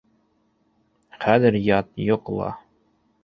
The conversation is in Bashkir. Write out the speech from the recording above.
Хәҙер ят, йоҡла...